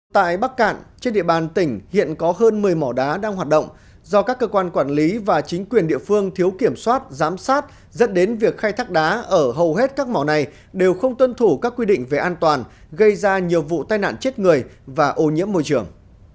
tại bắc cạn trên địa bàn tỉnh hiện có hơn một mươi mỏ đá đang hoạt động do các cơ quan quản lý và chính quyền địa phương thiếu kiểm soát giám sát dẫn đến việc khai thác đá ở hầu hết các mỏ này đều không tuân thủ các quy định về an toàn gây ra nhiều vụ tai nạn chết người và ô nhiễm môi trường